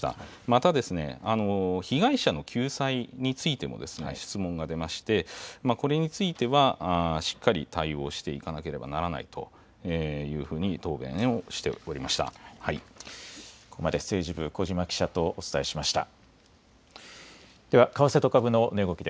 また、被害者の救済についても質問が出まして、これについては、しっかり対応していかなければならないというふうに答弁をしておここまで、政治部、小嶋記者とお伝えしました。